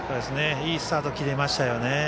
いいスタートを切れましたよね。